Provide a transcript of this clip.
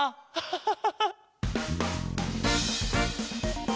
ハハハハ。